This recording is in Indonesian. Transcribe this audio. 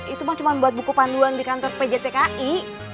itu cuma buat buku panduan di kantor pjtki